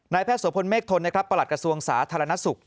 นายแพทย์สวพลเมฆทนประหลักกระทรวงศาธารณสุข